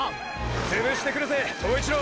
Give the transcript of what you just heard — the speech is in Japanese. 潰してくるぜ塔一郎。